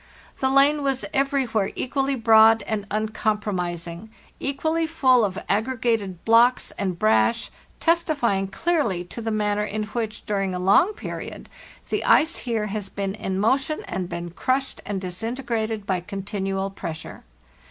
The lane was everywhere equally broad and uncompromising, equally full of aggregated blocks and brash, testifying clearly to the manner in which, during a long period, the ice here has been in motion and been crushed and disintegrated by continual pressure.